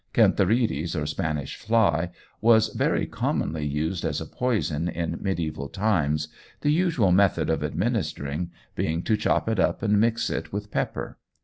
Cantharides, or Spanish fly, was very commonly used as a poison in mediæval times, the usual method of administering being to chop it up and mix it with pepper.